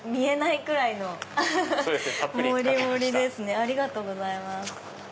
ありがとうございます。